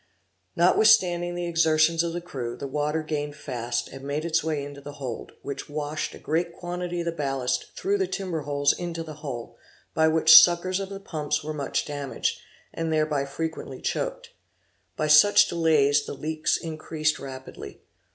Notwithstanding the exertions of the crew, the water gained fast, and made its way into the hold, which washed a great quantity of the ballast through the timber holes into the hull, by which the suckers of the pumps were much damaged, and thereby frequently choaked. By such delays the leaks increased rapidly.